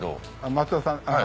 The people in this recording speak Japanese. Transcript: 松尾さん？